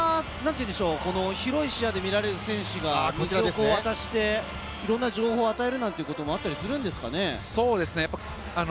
広い視野で見られる選手が情報を渡して、いろいろな情報を与えるということがあったりするんですか？